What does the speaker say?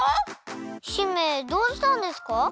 姫どうしたんですか？